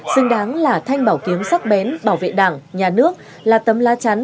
xứng đáng là thanh bảo kiếm sắc bén bảo vệ đảng nhà nước là tấm lá chắn